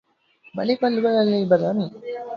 بلغ البلل بدني.